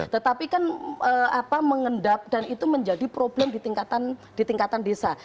tetapi kan mengendap dan itu menjadi problem di tingkatan desa